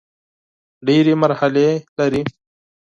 ډېري مرحلې لري .